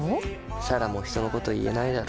彩良も人のこと言えないだろ。